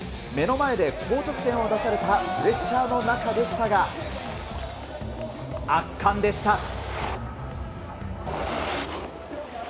目の前で高得点を出されたプレッシャーの中でしたが、圧巻でした。